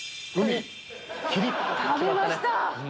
食べました。